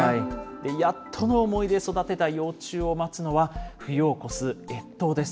やっとの思いで育てた幼虫を待つのは、冬を越す越冬です。